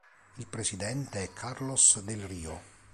Il presidente è Carlos Del Río.